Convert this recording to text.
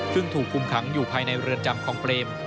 ซึ่งถูกคุมขังอยู่ภายในเรือนจำคองเปรม